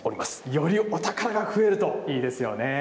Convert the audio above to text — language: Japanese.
よりお宝が増えるといいですよね。